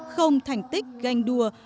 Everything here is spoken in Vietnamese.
không thành tích ganh đua